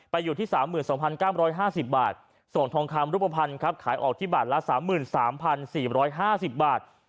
ไปอยู่ที่๓๒๙๕๐บาทส่วนทองคำรุปพันธุ์ขายออกที่บาทละ๓๓๔๕๐บาท